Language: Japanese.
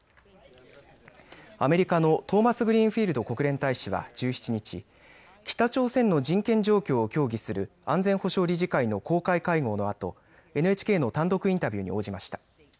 アメリカのトーマスグリーンフィールド国連大使は１７日、北朝鮮の人権状況を協議する安全保障理事会の公開会合のあとＮＨＫの単独インタビューに応じました。